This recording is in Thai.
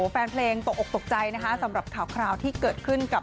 แฟนเพลงตกออกตกใจนะคะสำหรับข่าวที่เกิดขึ้นกับ